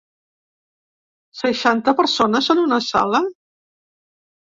Seixanta persones en una sala?